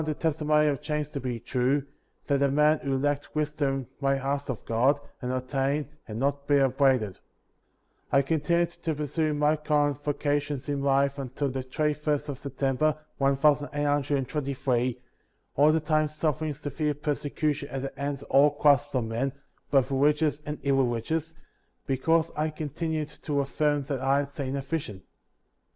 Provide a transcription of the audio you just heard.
testimony of James to be true, that a man who lacked wisdom might ask of God, and obtain, and not be upbraided. 27. I continued to pursue my common vocations in life until the twenty first of September, one thou sand eight hundred and twenty three, all the time suffering severe persecution at the hands of all classes of men, both religious and irreligious, because I con tinued to affirm that I had seen a vision. 28.